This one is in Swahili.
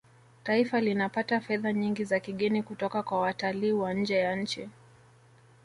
taifa linapata fedha nyingi za kigeni kutoka kwa watalii wa nje ya nchi